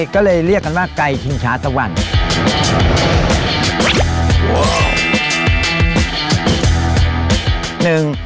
ก็เลยเรียกกันว่าไก่ชิงช้าตะวัน